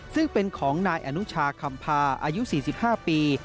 ซึ่งเป็นของนายอนุชาคำพาอายุ๔๕ปี